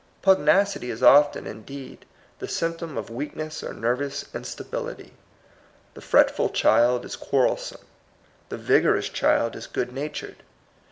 Pugnacity is often, indeed, the symptom of weakness or nervous instability. The fretful child is quarrelsome. The vigorous child is good natured.